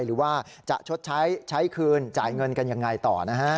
หรือว่าจะชดใช้ใช้คืนจ่ายเงินกันยังไงต่อนะฮะ